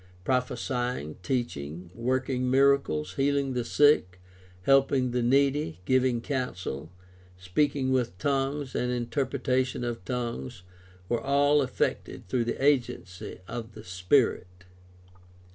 Prophesying, teaching, working miracles, healing the sick, helping the needy, giving counsel, speaking with tongues, and interpretation of tongues were all effected through the agency of the Spirit (I Cor.